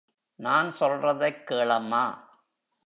நான் சொல்றதக் கேளம்மா?